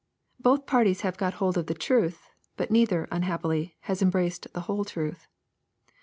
Both parties have got hold of the truth, but neither, unhappily, has embraced the whole truth.